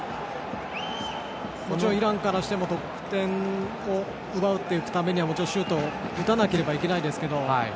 イランからしても得点を奪うためにはシュートを打たなければいけないですけど。